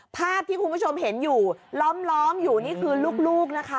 ภาพที่คุณผู้ชมเห็นอยู่ล้อมอยู่นี่คือลูกนะคะ